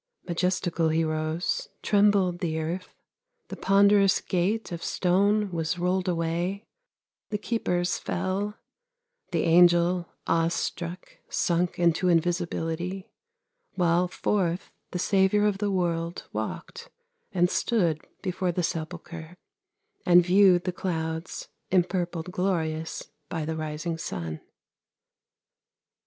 Majestical He rose : trembled the earth ; The ponderous gate of stone was rolled away ; The keepers fell ; the angel, awe struck, sunk Into invisibility, while forth The Saviour of the world walked, and stood Before the sepulchre, and viewed the clouds Impurpled glorious by the rising sun.